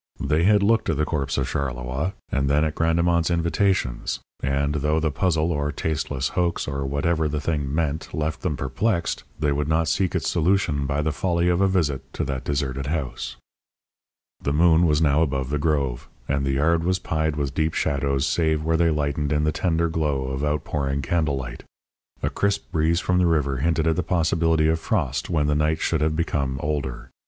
They had looked at the corpse of Charleroi and then at Grandemont's invitations, and, though the puzzle or tasteless hoax or whatever the thing meant left them perplexed, they would not seek its solution by the folly of a visit to that deserted house. The moon was now above the grove, and the yard was pied with deep shadows save where they lightened in the tender glow of outpouring candle light. A crisp breeze from the river hinted at the possibility of frost when the night should have become older.